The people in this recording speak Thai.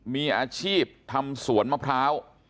มีอาชีพทำสวนมะพร้าว